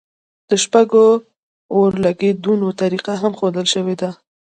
د شپږو اورلګیتونو طریقه هم ښودل شوې ده.